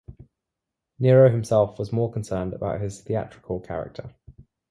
Nero himself was more concerned about his theatrical character.